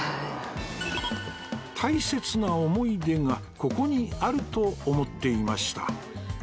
大切な思い出がここにあると思っていました